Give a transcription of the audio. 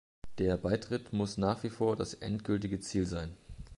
Der Beitritt muss nach wie vor das endgültige Ziel sein.